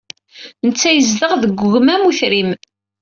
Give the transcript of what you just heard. Netta yezdeɣ deg wegmam utrim.